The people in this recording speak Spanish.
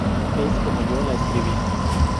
Es como yo la escribí.